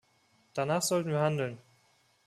Danach sollten wir handeln.